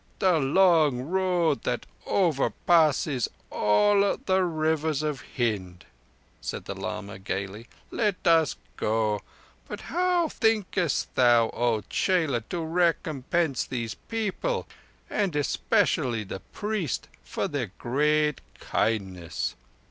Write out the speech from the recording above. "The long Road that overpasses all the rivers of Hind," said the lama gaily. "Let us go. But how thinkest thou, chela, to recompense these people, and especially the priest, for their great kindness?